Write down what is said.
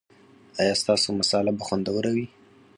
ایا ستاسو مصاله به خوندوره وي؟